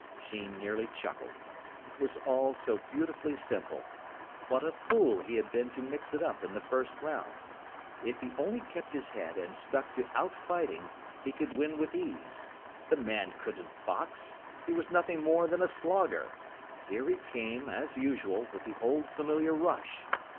Sheen nearly chuckled. It was all so beautifully simple. What a fool he had been to mix it up in the first round. If he only kept his head and stuck to out fighting he could win with ease. The man couldn't box. He was nothing more than a slogger. Here he came, as usual, with the old familiar rush.